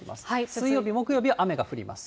水曜日、木曜日は雨が降ります。